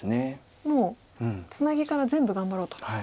もうツナギから全部頑張ろうと。